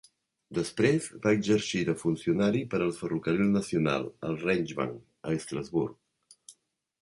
Després, va exercir de funcionari per al ferrocarril nacional, el Reichsbahn, a Estrasburg.